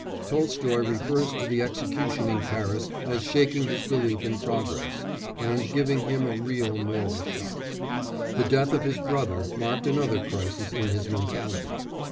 '" Tolstoy refers to the execution in Paris as shaking his belief in progress, and giving him a real moral shock. The death of his brother marked another crisis in his mentality.